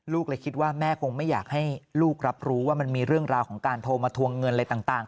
เลยคิดว่าแม่คงไม่อยากให้ลูกรับรู้ว่ามันมีเรื่องราวของการโทรมาทวงเงินอะไรต่าง